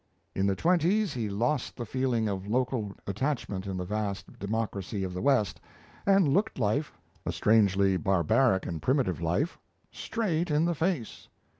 In the twenties he lost the feeling of local attachment in the vast democracy of the West, and looked life a strangely barbaric and primitive life straight in the face.